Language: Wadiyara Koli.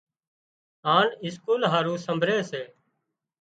هانَ اسڪول هارو سمڀري سي۔